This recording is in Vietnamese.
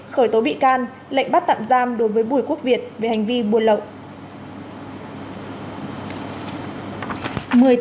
khởi tố bị can lệnh bắt tạm giam đối với bùi quốc việt về hành vi buôn lậu